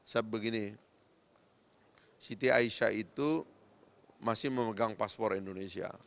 saya begini siti aisyah itu masih memegang paspor indonesia